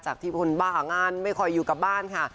ที่คนบ้าหางานไม่ค่อยอยู่กับบ้านค่ะ